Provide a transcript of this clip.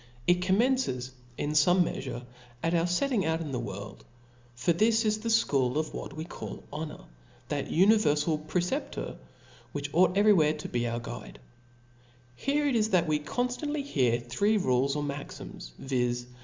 It com mences, in fome meafure, at our fetting out in the world 5 for this is the fchool of what we call honor, that univerfal preceptor which ought every where tobcoiir guide. I Here O F L A W S. 43 Here it is that wc conftantly hear three rules * ^y "^ or maxims, viz.